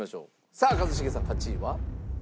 さあ一茂さん８位は？